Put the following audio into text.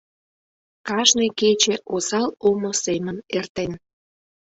Кажне кече осал омо семын эртен.